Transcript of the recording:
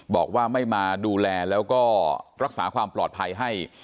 บอกว่าไม่มาดูแลแล้วก็รักษาความปลอดภัยให้